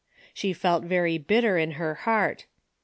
She felt very bitter in her heart.